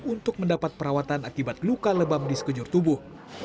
untuk mendapat perawatan akibat luka lebam di sekejur tubuh